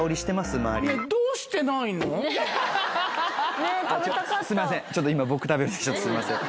すいません